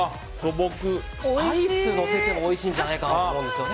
アイスをのせてもおいしいんじゃないかと思うんですよね。